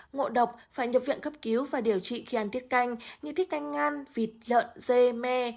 ngộ độc phải nhập viện khắp cứu và điều trị khi ăn tiết canh như tiết canh ngan vịt lợn dê me